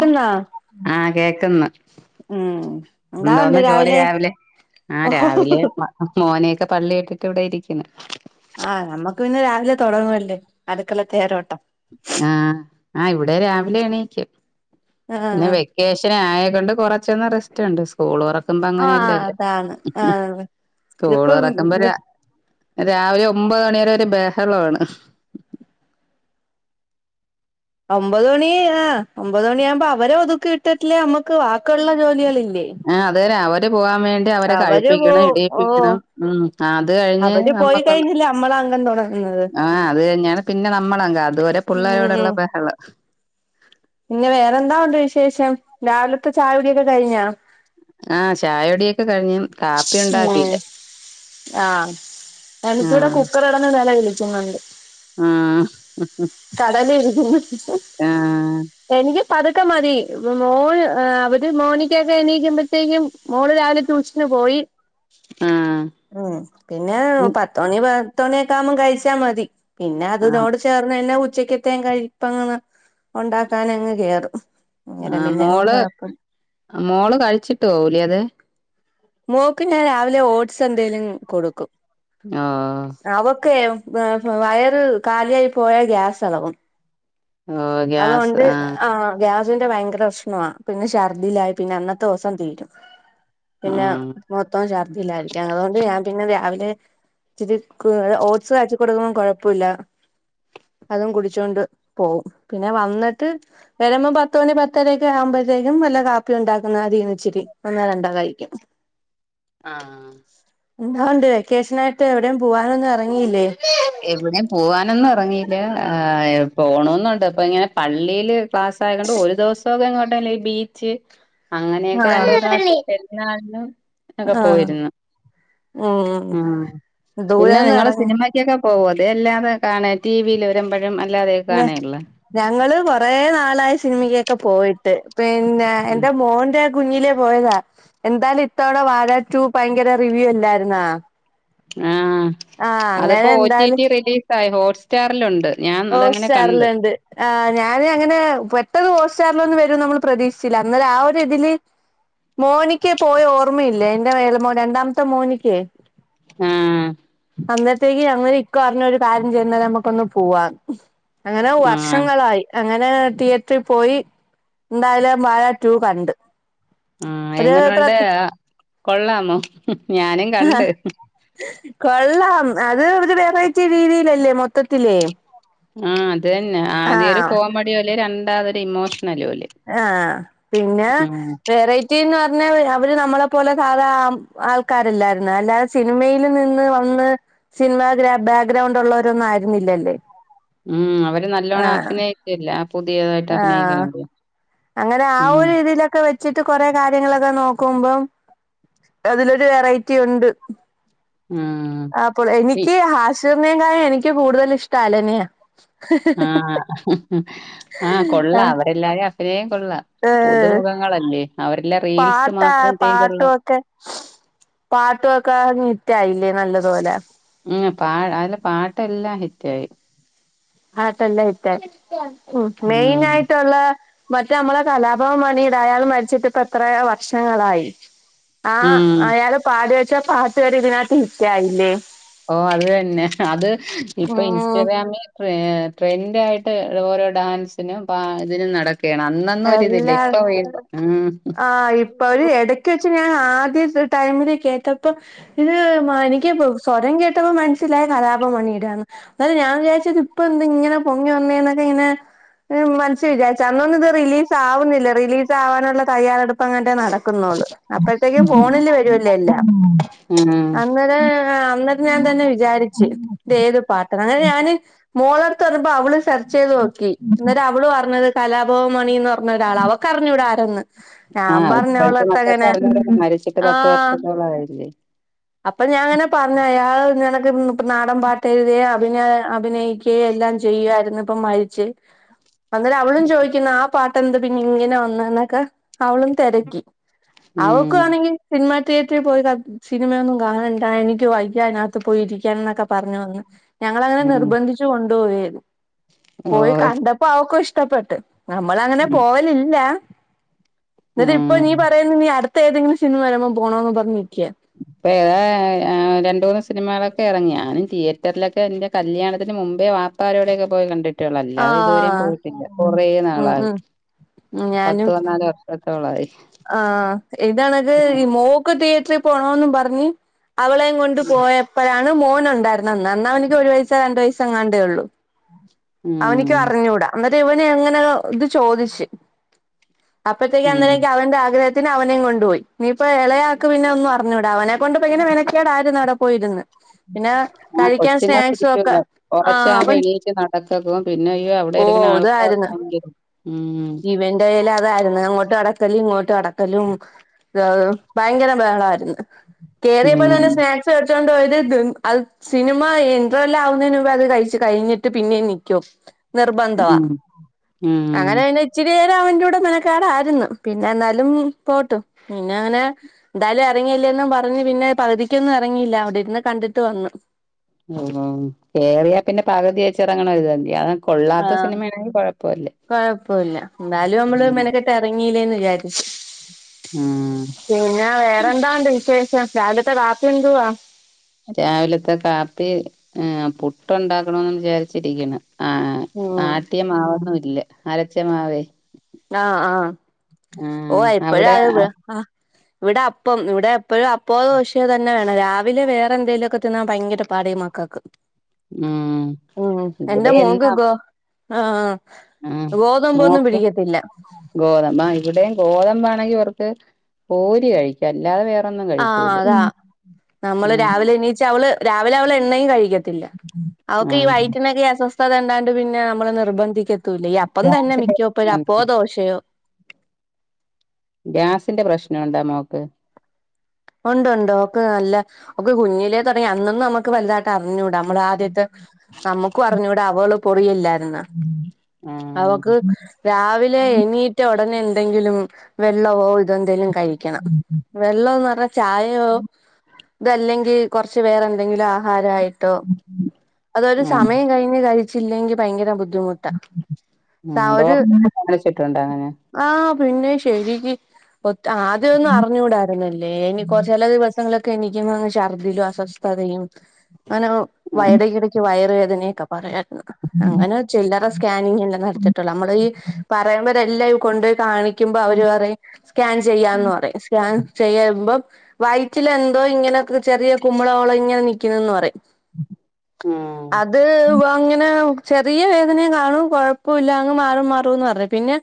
പിന്ന ആഹ് കേക്കന്ന് എന്തോന്ന ജോലി രാവിലെ ആഹ് ഓഹോ രാവിലെ അഹ് മോനയൊക്കെ പള്ളിട്ടിട്ട് ഇവിടെ ഇരിക്കുന്നു ആഹ് നമ്മുക്ക് പിന്നെ രാവിലെ തുടങ്ങുവല്ലേ അടുക്കള തേരോട്ടം ആഹ് ആഹ് ഇവിടെ രാവിലെ എണീക്ക് ആഹ് പിന്നെ വേ കേഷനെ ആയ കൊണ്ട് കൊറച്ചൊന്ന് റെസ്റ്റ്ണ്ട് സ്കൂളൊറക്കുമ്പോ ആഹ് അങ്ങനെയല്ലല്ലേ അതാണ് ആഹ് സ്കൂള് ഇതിപ്പം റക്കുമ്പോ ര രാവിലെ ഒമ്പഹ് മണിവരെ ഒര് ബഹളവാണ് ഒമ്പത് മണി ആഹ് ഒമ്പത് മണിയ ആകുമ്പോ അവരെ ഒതുക്കിട്ട് ട്ടില്ലേ നമ്മുക്ക് വാക്കുള്ള ജോലികളില്ലേ ആഹ് അതുവരെ അവര് പോവാാൻ വേണ്ടി ട്ട് അവരെ അവര് കഴിപ്പിക്കണം പോവും ഓഹ് ഇടിയിപ്പിക്കണം ഉം അത് കഴിഞ്ഞ് അവര് പോയി നമ്മക്ക്ന്ന് കഴിഞ്ഞില്ലേ നമ്മളെ അംഗം തൊടങ്ങുന്നത് ആഹ് അത് കഴിഞ്ഞാണ് പിന്നെ നമ്മളങ്കംഅത് വരെ പിള്ളേരോടുള്ള ബഹളം ഇന്ന വേറെന്താ ഉണ്ട് വിശേഷം രാവിലത്തെ ചായകുടിക്കെ കഴിഞ്ഞാ ആഹ് ചായ കുടിയൊക്കെ കഴിഞ്ഞു ഉം ആഹ് എനിക്കിവിടെ ആഹ് കുക്കറ് [unintelligible] വിളിച്ചുന്നുണ്ട് ആഹ് കടല ഇരിക്കുന്നു ആഹ് എനിക്ക് പതുക്കെ മതി മോന് ഏഹ് അവര് മോനിക്കൊക്കെ എണീയിക്കുമ്പോത്തേക്കും മോള് രാവിലെ ട്ടൂഷന് പോയി ആഹ് ഉം പിന്നെ പത്ത് മണി പത്ത് മണിയക്കെ ആവുമ്പോം കഴിച്ചാ മതി പിന്നെ ആഹ് അത്നോട് ചേ ർന്നെന്നാ ഉച്ചക്കത്ത കഴിപ്പങ്ങ ഉണ്ടാക്കാൻ അങ്ങ് കേറും അന്നേരം ആഹ് പിന്നെ അങ്ങ് മോള് കൊഴപ്പമില്ല മോള് കഴിച്ചിട്ട് പോഉല അത് മോക്ക് ഞാൻ രാവിലെ ഓട്സ് എന്തേലും കൊടുക്കും ആഹ് അവൊക്കെ വയറ് കാലിയായി പോയ ഗ്യാസളകും ഓഹ് ഗ്യാസ് അതൊണ്ട് ആഹ് ഗ്യാസിന്റെ ഭയങ്കരഷ്ണമാ പിന്നെ ഛർദ്ദിലായി പിന്നെ അന്നത്തോസം തീരും പിന്നെ ആഹ് മൊത്തം ഛർദ്ദില്ലായിരിക്കാം അതുകൊണ്ട് ഞാൻ പിന്നെ രാവിലെ ചിരി ക്ക്‌ ഓട്സ് കാച്ചി കൊടുക്കുമ്പോം കുഴപ്പ ഇല്ല അതും കുടിച്ചോണ്ട് പോവും പിന്നെ വന്നിട്ട് വരുമ്പോ പത്തുമണി പത്തരൊക്കെ ആവുമ്പഴ്ത്തേക്കും വല്ല കാപ്പി ഉണ്ടാക്കുന്ന അതീന്ന് ഇച്ചിരി ഒന്നാ രണ്ടാ കഴിക്കും. ആഹ. എന്താണ്ട് വെക്കേഷനായിട്ട് എവിടെയും പോവാനൊന്നും എറങ്ങിയില്ലേ. എവിടെയും പോവാനൊന്നും എറങ്ങീല്ല പോണോന്നുണ്ട് അപ്പൊ ഇങ്ങനെ പള്ളിയില്. ക്ലാസ് ആയതൊണ്ട് ഒരു ദെവസോക്കെ എങ്ങോട്ടെല്ലേ ഈ ബീച്ച്. അങ്ങനെയൊക്കെ രണ്ടൂന്ന് ആഹ് പ്രാവശ്യം പെരുന്നാളിനും ഒക്കെ ആഹ് പോയിരുന്നു. ഉം പിന്നെ ദൂരൊന്നും നിങ്ങള് ഇറങ്ങി സിനിമ. ക്കൊക്ക പോവോ അതെ അല്ലാതെ കാണ ടിവിൽ വരുമ്പഴും അല്ലാതെക്ക ന്നെ കാണെള്ള. ഞങ്ങള് കൊറേ നാളായി സിനിമക്കൊക്കെ പോയിട്ട് പിന്നെ എന്റെ മോന്റെ. കുഞ്ഞിലെ പോയതാ എന്തായാലും ഇത്തവണ വാഴ റ്റു ഭയങ്കര റിവ്യൂ അല്ലായിരുന്നാ. ആഹ് ആഹ് അതിപ്പോ അങ്ങനെ ഓ ടി എന്തായാലും ടി റിലീസായി ഹോട്ട് സ്റ്റാറിലുണ്ട്. ഹോട്സ്റ്റാറില്ണ്ട്. ആ ഞാന് അങ്ങനെ പെട്ടെന്ന് ഹോട്സ്റ്റാറിലൊന്നും വരും നമ്മൾ പ്രതീക്ഷിച്ചില്ല അന്നേരെ ആ ഒരു ഇതില്. മോനിക്കെ പോയ ഓർമ്മയില്ല എന്റെ എളേ മോൻ രണ്ടാമത്തെ മോനിക്കെ. ആഹ്. അന്നരത്തേക്ക് അങ്ങനെ ഇക്ക പറിഞ്ഞ് ഒരു കാര്യം ചെയ്യുന്ന നമുക്കൊന്ന് പോവാം അങ്ങനെ ആഹ് വർഷങ്ങളായി. അങ്ങനെ തിയേറ്ററിൽ പോയി എന്തായാലും വാഴ റ്റു കണ്ട്. ആ ഒരു പ്ര എങ്ങനെണ്ട് കൊള്ളാമോ ഞാനും കണ്ട്. കൊള്ളാം അത് ഒരു വെറൈറ്റി രീതിയിലല്ലേ മൊത്തത്തിലെ. ആ അത് തന്ന ആദ്യൊരു കോമഡിയോലെ രണ്ടാതൊരു ഇമോഷ്ണലോലേം. ആ പിന്നെ വേറെ. റ്റിന്ന് പറഞ്ഞാ അവര് നമ്മളെ പോലെ സാധാ ആൾക്കാരല്ലായിരുന്ന അല്ലാതെ സിനിമേല് നിന്ന് വന്ന്. സിനിമ ബാഗ്രൗണ്ട് ഉള്ളവരൊന്നും ആയിരുന്നില്ലല്ലേ. ഉം അവര് നല്ലോണം ആഹ് അഭിനയിച്ചല്ല പുതിയതായിട്ട് അഭിനയിക്കണ. അങ്ങന ആ ഒരു രീതിയിലൊക്കെ വെ വച്ചിട്ട് കൊറെ കാര്യങ്ങളൊക്കെ നോക്കുമ്പം അതിലൊരു വെറൈറ്റി ഉണ്ട്. ഉം അപ്പോൾ പി എനിക്ക് ഹാഷിർനെക്കാലും എനിക്ക് കൂടുതൽ ഇഷ്ടം അലനെയ. ആഹ ആഹ് കൊള്ളാം ആഹ് അവരെല്ലാരെ അ അഭിനയം കൊള്ള ഏഹ് പുതുമുഖങ്ങളല്ലേ അവരില്ല റീൽസ് മാത്രം ചെയ്തുള്ള. പാട്ടൊക്കെ അങ്ങ് ഹിറ്റായില്ലേ നല്ലതുപോല. ഉം പാ അതില പാട്ടെല്ലാം ഹിറ്റായി. പാട്ടെല്ലാം ഹിറ്റായി ഉം ഉം മെയിനായിട്ടുള്ള. മറ്റേ നമ്മളെ കലാഭവം മണിടെ അയാള് മരിച്ചിട്ട്പ്പ എത്രയൊ വർഷങ്ങളായി. ആ ഉം ആ അയാള് പാടി വെച്ച പാട്ട് വരെ ഇതിനകത്ത് ഹിറ്റായില്ലേ. ഓ അത് തന്ന അത് ഇപ്പൊ ഉം ഇൻസ്റ്റഗ്രാമി. ട്രെൻഡായിട്ട് ഓരോ ഡാൻസിനും പ ഇതിനും നട ക്കേണ് അന്നൊന്നും ഒരിതില്ല എല്ലാ ഇപ്പ വീ ഉം. ആഹ് ഇ ഇപ്പഴ് എടക്ക് വെച്ച് ഞാൻ ആദ്യ ടൈമില് കേട്ടപ്പ. ഇത് എനിക്ക്പ്പോ സ്വരം കേട്ടപ്പോ മനസ്സിലായി കലാഭവൻമണിടെ ആന്ന്. അന്നേരം ഞാൻ വിചാരിച്ചത്പ്പൊ എന്ത് ഇങ്ങനെ പൊങ്ങി വന്നേ എന്നൊക്കെ ഇങ്ങനെ മനസ്സി വിചാരിച്ചു അന്നൊ ന്നും ഇത്. റിലീസ് ആവുന്നില്ല റിലീസ് ആവാനുള്ള തയ്യാറെടുപ്പ് എങ്ങാണ്ട് നട ക്കുന്നുള്ളു അപ്പോയെത്തേ ക്കുംഫോണില് വരുവല്ലോ എല്ലാം. ഉം അന്നേരം ഞാൻ തന്നെ വിചാരിച്ചു ഇത് ഏത് പാട്ടാണ് അങ്ങനെ ഞാൻ മോള ത്ത് പറഞ്ഞപ്പ അവള് സെർച്ച് ചെയ്ത് നോക്കി അന്നേരം അവള് പറഞ്ഞത് കലാഭവൻ മണിന്ന്ർ പറട ആള അവക്കറിഞ്ഞട ആരന്ന് ഞാൻ ആഹ് ഇപ്പോഴത്തെ പറഞ്ഞളട്ത്ത മക്കൾക്ക് ങ്ങനെ അറിഞ്ഞൂടല്ലോ മരിച്ചിട്ട് പത്ത് വർഷത്തോളം ആയില്ലേ അപ്പൊ ഞാൻ അങ്ങനെ പറഞ്ഞ അയാൾ ഇങ്ങനക്ക നാടൻ പാട്ട് എഴുതിയ അഭിന അഭിനയി ക്കേം എല്ലാം ചെയ്യുവായിരുന്നു ഇപ്പ മരിച്ച് അന്നേരം അവളും ചോദിക്കുന്ന ആ പാട്ട് എന്ത പിന്നെ ഇങ്ങനെ വന്ന എന്നൊക്കെ അവളും തിരക്കി അവക്ക ഉം ആണെങ്കിൽ സിനിമ തിയേറ്ററിൽ പോയി ക സിനിമയൊന്നും കാണണ്ട എനിക്ക് വയ്യ അതിനകത്ത് പോയിരിക്കൻ എന്നൊക്കെ പറഞ്ഞു വന്ന ഞങ്ങളനെ ഉം നിർബന്ധി ച്ച് കൊണ്ടുപോയി പോയി ഓഹ് കണ്ടപ്പോ അവക്കും ഇഷ്ടപ്പെട്ട്. നമ്മള അങ്ങനെ ഉം പോവലില്ല എന്നിട്ട് ഇപ്പൊ നീ ഉം പറയ ന അടുത്തഏതെങ്കിലു സിനിമ വരുമ്പോ പോണോന്ന് പറഞ്ഞ് നിക്കാ ഇപ്പൊ ഏതാ രണ്ട മൂന്ന് സിനിമകളൊക്കെ ഇറങ്ങി ഞാനും തിയേറ്ററിലൊക്കെ എന്റെ കല്യാണത്തിന് മുമ്പേ വാപ്പാരോടെയൊക്കെ പോയി കണ്ടിട്ടേള്ളൂ അല്ലാതെ ഇതുവരെയും ആഹ് പോയിട്ടില്ല കൊറെ ഉം നാളായി ഉം പത്ത് ഞാനും പതിനാല് വർഷത്തോളായി. ആ ഇതാണത് ഈ മോ ക്ക് തിയേറ്ററിൽ പോണന്ന് പറഞ്ഞ് അവളേം കൊണ്ട് പോയ പ്പഴാണ് മോന് ഉണ്ടായിരുന്നന്ന് അന്നാ അവൻക്ക് ഒരു വയസ രണ്ട് വയസ്സോ എങ്ങാണ്ടേ ഉള്ളൂ. അവനിക്ക് ഉം അറിഞ്ഞൂടാ എന്നിട്ട് ഇവന എങ്ങനോ ഇത് ചോദിച്ചു. അപ്പഴത്തേക്ക് ഉം അനക്ക് അവന്റെ ആഗ്രഹത്തിന് അവനേും കൊണ്ടുപോയി നീയിപ്പ ഇളയാക്ക പിന്നെ ഒന്നും അറിഞ്ഞുടാ അവനെ കൊണ്ട് പോയി മെനക്കട ആരുന്നു ആടെ പോയിര്ന്ന് ആഹ് കൊച്ചി ങ്ങള് ഒക്കെ ഇരിക്കുല്ല കൊർച് ആഹ് ആവുമ്പോ അവൻ എണീറ്റ് നട ക്കക്ക പോവും പിന്നെ അയ്യോ അവിടെ ഓ ആയിരിക്കുന്ന ആൾക്കാരക്കെ ആണെങ്കി ഉം ഇവന്റെൽ അതായിരുന്നു അങ്ങോട്ട് നടക്കലും ഇങ്ങോട്ട് നടക്കലും ഭയങ്കര ബഹ്ളായിരുന്നു കയറിയപ്പോ തെന്നെ ഉം സ്നാ ക് എടുത്തൊണ്ട് പോയത്ത് തി സിനിമ ഇൻ ട്രെവെൽ ആവുന്നതിന് മുമ്പേ അത് കഴിച്ചു കഴിഞ്ഞിട്ട് പിന്നെനി ക്ക്യും നിർബന്ധവാ ഉം ഉം അങ്ങനെ ഉം പിന്നെ ഇച്ചിരിനേര അവന്റെടെ മെനക്കട ആരുന്നു പിന്നെ എ എന്നാലും പോട്ട് പിന്നെ അങ്ങനെ എന്തായാലും ഇറങ്ങിയില്ലെന്നും പറഞ്ഞ് പിന്നെ പകുതിക്കൊന്നും ഇറങ്ങിയില്ല അവിടെരുന്ന് കണ്ടിട്ട് വന്നു. ഉ കേറിയാ പിന്നെ പകുതി വെച്ചിറങ്ങണ ഒരുതണ്ട അത ആഹ് കൊഴപ്പല്ല എന്താലും നമ്മള് ഉം മെനക്കെ ട്ട് ഇറങ്ങീല്ലേന്ന് വിചാരിച്ചു ഉം പിന്നെ വേറെന്താണ്ട് വിശേഷം രാവി ല ത്തെ കാപ്പി എന്തുവാ രാവിലത്തെ കാപ്പി പുട്ടുണ്ടാക്കണന്ന് വിചാരിച്ചിരിക്കണ് ആഹ് ഉം ആട്ടിയ മാവൊന്നും ഇല്ല അരച്ച മാവേ. ആഹ് ആഹ് ഓ ആഹ് എപ്പോഴ ആ അവിടെ ഇവിടെ അപ്പം ഇവിടെ എപ്പോഴും അപ്പോ ദോശയും തന്നെ വേണം രാവിലെ വേറെ എന്തേലുമൊക്കെ തിന്നാൻ ഭയങ്കര പാട ഈ മക്കക്ക് ഉം ഉം എന്താ ഇവിടെ മോക്ക് എന്നാ ക്കോ ആഹ് ഗോതമ്പൊന്നും പിടിക്കത്തില്ല ഗോതമ്പ ആ ഇവിടെയും ഗോതമ്പ ആണെങ്കി അവർക്ക് പൂരി കഴി ക്കും അല്ലാതെ വേറൊന്നും. ആഹ് കഴിക്കൂല അതാ നമ്മള് ഉം രാവിലെ എണീച്ചാ അവള് രാവിലെ അവള് എണ്ണയും കഴിക്കത്തില്ല അവക്ക് ഈ ഉം വയറ്റിനൊക്കെ അസ്വസ് ത്ഥതണ്ടാണ്ട് പിന്നെ നമ്മള് നിർബന്ധിക്കത്തില്ല ഈ അപ്പം തന്നെ ഗ്യാസിന്റെ മിക്കപ്പോ ഒരു പ്രശ്നണ്ട് അപ്പോ ദോശയോ ഗ്യാസിന്റെ പ്രശ്നുണ്ടാ മോക്ക് ഉണ്ടുണ്ട്. ഓക്ക് നല്ല ഓക്ക് കുഞ്ഞിലേ തൊടങ്ങിയാ. അന്നൊന്നും നമ ക്ക് വല്ലാട്ട് അറിഞ്ഞൂടാ. നമ്മള് ആദ്യത്തെ നമുക്കും അറിഞ്ഞൂടാ അവള് പൊറിയില്ലായിരുന്നാ. ആ അവക്ക് രാവിലെ എണീറ്റ ഉടനെ എന്തെങ്കിലും വെള്ളവോ ഇതെന്തെലും കഴി ക്ക്യണം. വെള്ളം ന്ന് പറഞ്ഞാ ചായയോ ഇതല്ലെങ്കി കൊർച്ച് വേറെന്തെങ്കിലാ ഹാരായിട്ടോ അതൊരു ഉം സമയം കഴിഞ്ഞ് കഴിച്ചില്ലെങ്കി ഭയങ്കര ബുദ്ധിമു ആഹ് ഡോക്ടറിനെ കാണിച്ചിട്ടുണ്ടോ അങ്ങനെ. ആഹ് പിന്നെ ശരിക്ക് ഒത് ആദ്യം ഒന്നും അറിഞ്ഞൂടായിരുന്നല്ലേ. ഇനി കൊറ ചില ദിവസങ്ങളിലൊക്കെ എണീക്കുമ്പങ്ങ് ശർദിലും അസ്വസ്ഥതയും അങ്ങനെ ഉം വയട് കിടി ച്ച് വയറുവേദനയൊക്കെ പറയായിരുന്നു. അങ്ങനെ ഒ ചില്ലറ സ്കാനിങ്യല്ല നടത്തിട്ടുള്ളെ. നമ്മള് ഈ പറയുമ്പരെല്ലാം ഈ കൊണ്ടാേയി കാണി ക്ക്യുമ്പം അവര് പറയും സ്കാൻ ചെയ്യാന്ന് പറയും സ്കാൻ ചെയ്യമ്പം വയറ്റിലെന്തോ ഇങ്ങനെ ചെറിയ കുമിളകള്ങ്ങനെ നിക്കുന്നെന്ന് പറയും. ആഹ്. അത് വങ്ങനെ ചെറിയ വേദനയും കാണും കൊഴപ്പവില്ല അങ്ങ് മാറും മാറുംന്ന് പറഞ്ഞു. പിന്നെ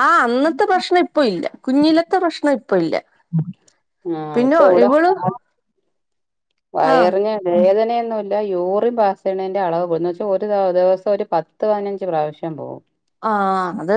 ആഹ് അന്നത്തെ പ്രശ്നം ഇപ്പൊ ഇല്ല കുഞ്ഞിലത്തെ പ്രശ്നം ഇപ്പൊ ഇല്ല. ആഹ് പിന്നെ ഇപ്പൊ എവിടാ ഇവള് [unintelligible] ആഹ് വയറിന് വേദനയൊന്നൂല്ല. യൂറിൻ പാസെയ്യണേന്റെ അളവ് കൂടും. ന്ന് വെച്ചാ ഒരു ദെ ദെവസം ഒരു പത് ത് പതിനഞ്ച് പ്രാവശ്യം പോവും. ആഹ് അത്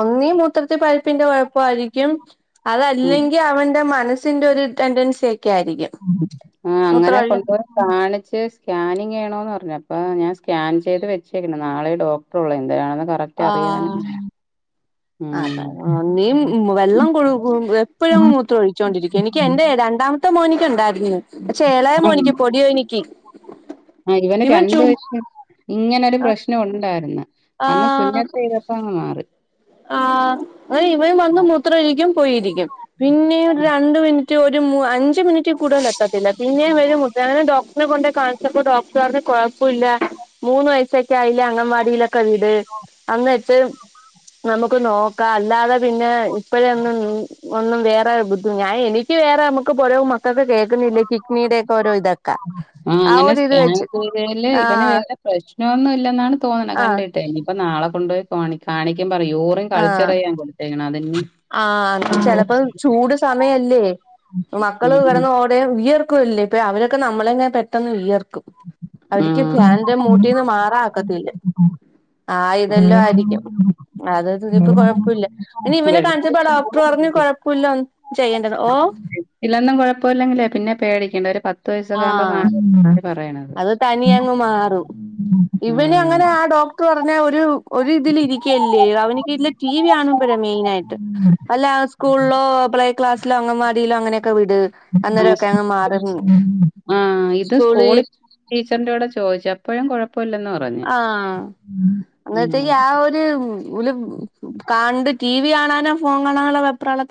ഒന്നീ മൂത്രത്തി പഴുപ്പിന്റെ കുഴപ്പ ആയിരിക്കും. ഉം അതല്ലെങ്കി അവന്റെ മനസ്സിന്റെ ഒരു ടെന്റൻസി ഒക്കെ ആയിരിക്കും. ആഹ് മൂത്രം ഒഴി അങ്ങനെകൊണ്ട്. കാണിച്ച് സ്കാനിങ് ചെയ്യണോന്ന് പറഞ്ഞ്. അപ്പൊ ഞാൻ സ്കാൻ ചെയ്ത് വെച്ചേക്ക്ണ്. നാളെ ഡോ ട്ടൊള്ളു. എന്തരാണെന്ന് കറക്റ്റ് അറിയതാനും. അതാ നിയും വെള്ളം കൊടു എപ്പോഴും ങ്ങ് മൂത്രം ഒഴിച്ചൊണ്ടിരിക്കും എനിക്ക് എന്റെ രണ്ടാമ ത്തെ മോന്ക്ക്ണ്ടായിരുന്ന്. പക്ഷേ ഏളയ മോനിക്ക് പൊടിയോനിക്ക് ആഹ് ഇവന് ഇവൻ രണ്ട് ചു വയസിൽ ഇങ്ങനൊരു പ്രശ്നം ഉണ്ടായിര്ന്ന്. അന്ന് ആഹ് സുന്നത്തെയ്ത പ്പങ്ങ് മാറി. ആഹ് അതിവൻ വന്ന് മു ത്ര ഒഴിക്കും പോയിരിക്കും. പിന്നെ ഒരു രണ്ട് മിനിറ്റ് ഒരു മൂ അഞ്ച്മിനിറ്റ് കൂടുതലെത്ത ത്തില്ല. പിന്നെ വരും മൂത് അങ്ങനെ ഡോക് ടറിനെ കൊണ്ടോയ് കാണിച്ചപ്പോ ഡോക്ടറർഞ്ഞ് കൊഴപ്പവില്ല മൂന്ന് വയസൊക്കെ ആയിലെ അങ്ങൻവാടിയിലാെ ക്കെ വിട്. അന്ന് വെച്ച് നമുക്ക് നോക്കാം അല്ലാതെ പിന്നെ ഇപ്പഴേ ഒന്നും ഒന്നും വേറെ ബുദ്ധി ഞാൻ എനിക്ക് വേറെ നമുക്കിപ്പോരോ മക്കക്ക് കേക്കുന്നില്ലേ കിഡ്നിയുടെ ഒക്കെ ഓരോ ഇത്. ആഹ് ആ അങ്ങനെ ഒരു സ്കാൻ വെച്ച് ചെയ്തേല് ഇവനെ ആഹ് വേറെ പ്രശ്നമൊന്നും ഇല്ലെന്നാണ് തോന്ന്ണെ ആഹ് കണ്ടിട്ട്. ഇനിയിപ്പ നാളെ കൊണ്ടുപോയി കോണി കാണിക്കുമ്പറിയോ മൂത്രം ആഹ് കൾച്ചെറെയ്യാൻ കൊടുത്തേക്കണം. അതിഞ്ഞി ആഹ് ചെലപ്പം ചൂട് സമയല്ലേ മക്കള് ഉം കിടന്ന് ഓ ടെ വിയർക്കുവല്ലെ ഇപ്പഴ് അവരൊക്കെ നമ്മളേങ്ങ പെട്ടെന്ന് വിയർ ക്കും. അവർക്ക് ഉം ഫ്യാനിന്റെ മൂട്ടീന്ന് മാറാ ഒക്കത്തില്ല. ആയിതെല്ലോ ആരിക്ക്യും. അത് തുതിപ്പം കൊഴപ്പവില്ല. അയ്നിവനെ വെള്ളം ആ ഡോക്ടർ പറഞ്ഞു കുടിക്കും കുഴപ്പവില്ല ഒന്നും ചെയ്യണ്ടെന്ന്, ഓഹ് ടെസ്റ്റിലൊന്നും കുഴപ്പവില്ലെങ്കിലേ പിന്നെ പേടിക്കണ്ട ഒരു പത്ത് വയസ്സൊക്കെ ആവ്മ്പം ആഹ് മാറും. [inaudible] അത് തനിയെ അങ്ങ് മാറും. ഇവന് ഉം അങ്ങനെ ആ ഡോക്ടർ പറഞ്ഞ് ഒരു ഒരിതിലിരിക്കല്ലേ അവന് കീഴല്. ടി വി ആണു പയ മെയിൻ ആയിട്ട്. അല്ല സ്കൂളിലോ പലേ ക്ലാസിലെ അംഗനവടിലെ അങ്ങനെയൊക്കെ വിട് അന്നേരമൊക്കെ അങ്ങ് മാറും ആ ആഹ ഇത് സ്കൂളി സ്കൂള ളിക് ടീച്ചറിന്റെറെ കൂടെ ചോദിച്ചു അപ്പോഴും കുഴപ്പമില്ലെന്ന് പറഞ്ഞു. ആഹ അങ്ങനത്തേക്ക് ആ ഒരു വ് കണ്ട് ടി വി കാണാനോ ഫോൺ കാണാനോ വെപ്രാളൊതി